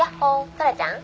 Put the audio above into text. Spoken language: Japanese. トラちゃん？」